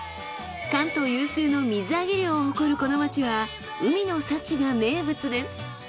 関東有数の水揚げ量を誇るこの街は海の幸が名物です。